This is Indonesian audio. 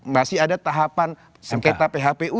masih ada tahapan sengketa phpu